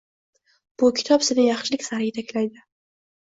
Bu kitob seni yaxshilik sari yetaklaydi.